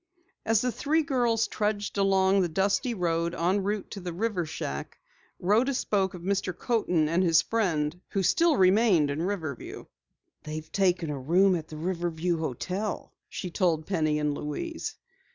As the three girls trudged along the dusty road en route to the river shack, Rhoda spoke of Mr. Coaten and his friend who still remained in Riverview. "They've taken a room at the Riverview Hotel," she told Penny and Louise.